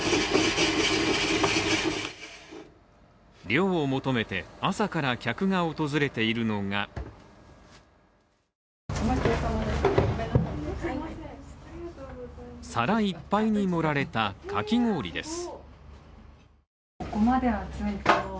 涼を求めて朝から客が訪れているのが皿いっぱいに盛られたかき氷です。